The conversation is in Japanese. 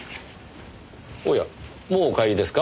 おやもうお帰りですか？